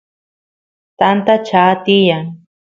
tanta chaa tiyan